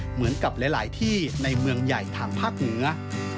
เหมือนกับหลายที่ในเมืองใหญ่ทางภาคเหนือ